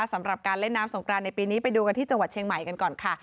สำหรับการเล่นน้ำสงกรานในปีนี้ไปดูกันที่จังหวัดเชียงใหม่กันก่อนค่ะ